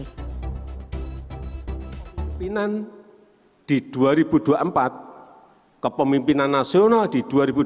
pemimpinan di dua ribu dua puluh empat kepemimpinan nasional di dua ribu dua puluh